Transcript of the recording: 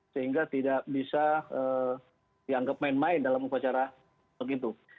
sehingga tidak bisa dianggap main main dalam upacara begitu